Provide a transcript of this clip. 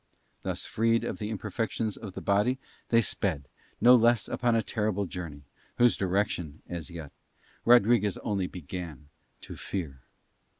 Thus freed of the imperfections of the body they sped, no less upon a terrible journey, whose direction as yet Rodriguez only began to fear.